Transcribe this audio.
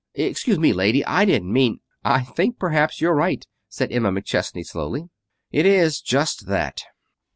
Excuse me, lady. I didn't mean " "I think perhaps you're right," said Emma McChesney slowly. "It is just that."